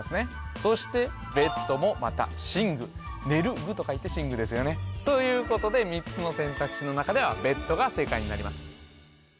そしてベッドもまた寝具寝る具と書いて寝具ですよねということで３つの選択肢の中ではベッドが正解になります